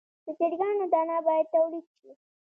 د چرګانو دانه باید تولید شي.